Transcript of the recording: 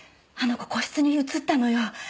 あの子個室に移ったのよ。